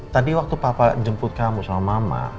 tadi waktu papa jemput kamu sama mama